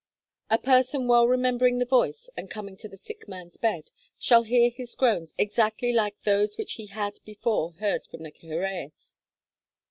A person 'well remembering the voice' and coming to the sick man's bed, 'shall hear his groans exactly like' those which he had before heard from the Cyhyraeth.